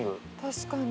確かに。